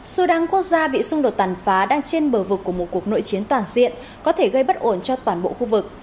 sudan quốc gia bị xung đột tàn phá đang trên bờ vực của một cuộc nội chiến toàn diện có thể gây bất ổn cho toàn bộ khu vực